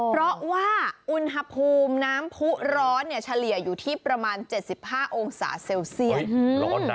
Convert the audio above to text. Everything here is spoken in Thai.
เพราะว่าอุณหภูมิน้ำผู้ร้อนเฉลี่ยอยู่ที่ประมาณ๗๕องศาเซลเซียส